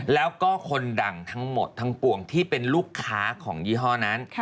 แล้วก็คนดังทั้งหมดทั้งปวงที่เป็นลูกค้าของยี่ห้อนั้น